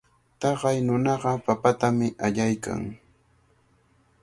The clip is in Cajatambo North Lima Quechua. Taqay nunaqa papatami allaykan.